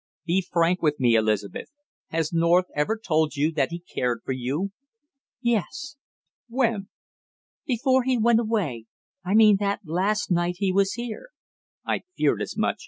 "Be frank with me, Elizabeth. Has North ever told you that he cared for you?" "Yes." "When?" "Before he went away I mean that last night he was here." "I feared as much!"